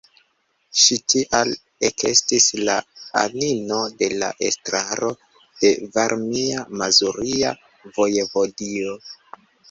Ŝi tial ekestis la anino de la Estraro de Varmia-Mazuria Vojevodio.